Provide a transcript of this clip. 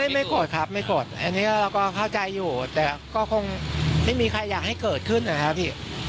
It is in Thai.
ไม่โกรธครับไม่โกรธอันนี้เราก็เข้าใจอยู่แต่ก็คงไม่มีใครอยากให้เกิดขึ้นนะครับพี่